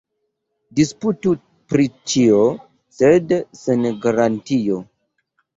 Disputu pri ĉio, sed sen garantio.